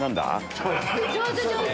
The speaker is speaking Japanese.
上手上手。